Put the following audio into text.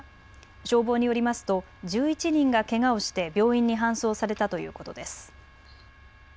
消防によりますと１１人がけがをして病院に搬送されたということです。